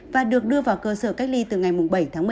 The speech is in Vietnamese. và được đưa vào cơ sở cách ly từ ngày bảy tháng một mươi hai